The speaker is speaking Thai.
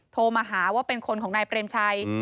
โทรมาหาว่าเป็นคนของนายเปรมชัย